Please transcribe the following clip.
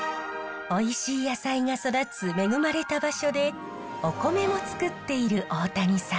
おいしい野菜が育つ恵まれた場所でお米もつくっている大谷さん。